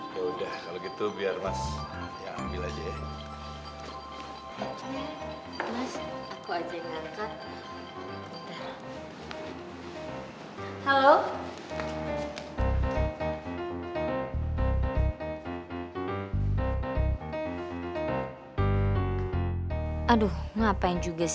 yaudah kalo gitu biar mas ya ambil aja ya